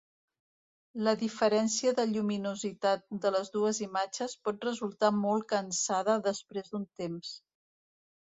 La diferència de lluminositat de les dues imatges pot resultar molt cansada després d'un temps.